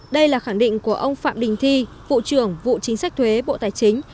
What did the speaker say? đây là khẳng định của ông phạm đình thi vụ trưởng vụ chính sách thuế bộ tài chính